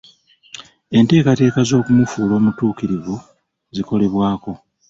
Enteekateeka z'okumufuula omutuukirivu zikolebwako.